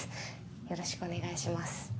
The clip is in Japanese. よろしくお願いします。